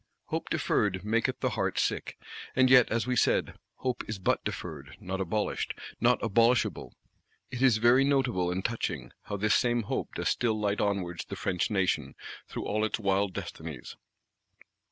Hope deferred maketh the heart sick. And yet, as we said, Hope is but deferred; not abolished, not abolishable. It is very notable, and touching, how this same Hope does still light onwards the French Nation through all its wild destinies.